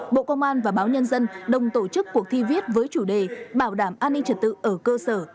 bộ công an và báo nhân dân đồng tổ chức cuộc thi viết với chủ đề bảo đảm an ninh trật tự ở cơ sở